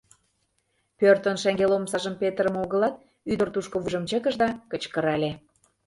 Пӧртын шеҥгел омсажым петырыме огылат, ӱдыр тушко вуйжым чыкыш да кычкырале: